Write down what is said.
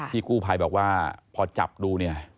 กู้ภัยบอกว่าพอจับดูเนี่ย